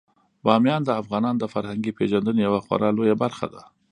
بامیان د افغانانو د فرهنګي پیژندنې یوه خورا لویه برخه ده.